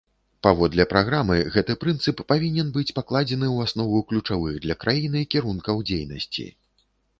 Паводле праграмы, гэты прынцып павінен быць пакладзены ў аснову ключавых для краіны кірункаў дзейнасці.